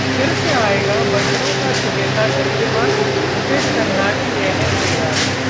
फिर से आएगा बच्चों का चहेता शक्तिमान? मुकेश खन्ना की ये है तैयारी